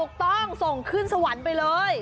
ต้องส่งขึ้นสวรรค์ไปเลย